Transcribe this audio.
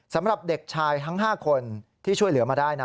สำหรับเด็กชายทั้ง๕คนที่ช่วยเหลือมาได้นะ